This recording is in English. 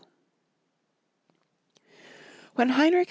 WHEN Heinrich V.